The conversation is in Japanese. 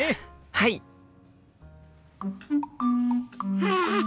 はあ！